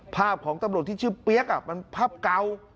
ภาพของตำรวจที่ชื่อเปี๊ยกมันภาพเก่า